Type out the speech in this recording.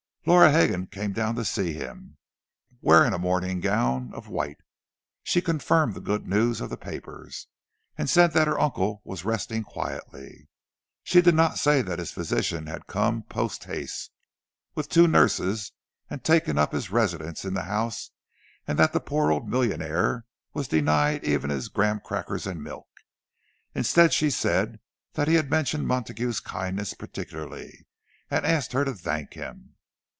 Laura Hegan came down to see him, wearing a morning gown of white. She confirmed the good news of the papers, and said that her uncle was resting quietly. (She did not say that his physician had come post haste, with two nurses, and taken up his residence in the house, and that the poor old millionaire was denied even his graham crackers and milk). Instead she said that he had mentioned Montague's kindness particularly, and asked her to thank him.